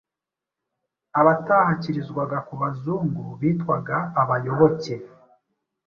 Abatahakirizwaga ku Bazungu bitwaga Abayoboke